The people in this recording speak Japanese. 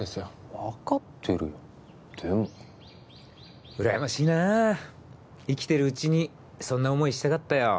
分かってるよでも羨ましいなあ生きてるうちにそんな思いしたかったよ